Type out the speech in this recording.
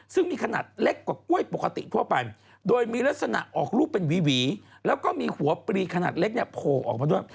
ซึ่งมีขนาดเล็กกว่ากล้วยปกติทั่วไปโดยมีลักษณะออกรูปเป็นหวีแล้วก็มีหัวปลีขนาดเล็กเนี่ยโผล่ออกมาด้วย